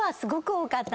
多かった。